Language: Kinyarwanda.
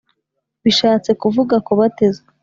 bishatse kuvuga kubatizwa